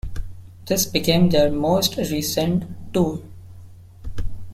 This became their most recent tour.